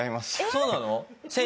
そうなの？